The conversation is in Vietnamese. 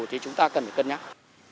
thì chúng ta cần phải cân nhắc